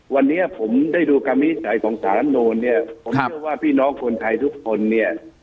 วันนี้ผมได้ดูคำวินิจฉัยของสารลำนูลเนี่ยผมเชื่อว่าพี่น้องคนไทยทุกคนเนี่ย